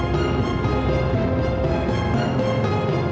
nggak ada yang mau aku tanyain